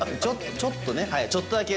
ちょっとね、ちょっとだけ。